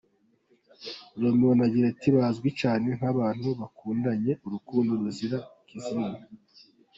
Romeo na Juliet bazwi cyane nk’abantu bakundanye urukundo ruzira ikizinga.